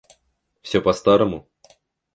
Всё по старому?